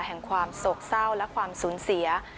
ความโศกเศร้าและความสูญเสีย